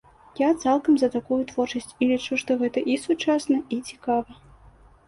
Я цалкам за такую творчасць і лічу, што гэта і сучасна, і цікава.